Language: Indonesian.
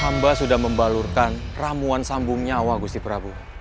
hamba sudah membalurkan ramuan sambung nyawa gusti prabu